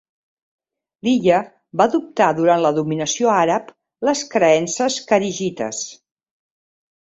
L'illa va adoptar durant la dominació àrab les creences kharigites.